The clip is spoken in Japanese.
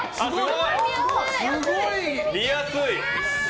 見やすい！